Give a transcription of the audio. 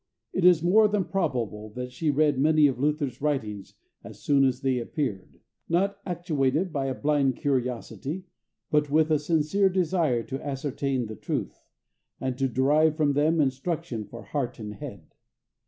It is more than probable that she read many of Luther's writings as soon as they appeared, not actuated by a blind curiosity, but with a sincere desire to ascertain the truth, and to derive from them instruction for heart and head.